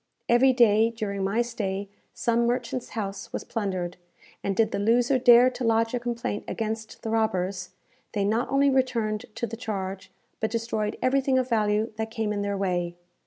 Every day during my stay, some merchant's house was plundered, and did the loser dare to lodge a complaint against the robbers, they not only returned to the charge, but destroyed everything of value that came in their way.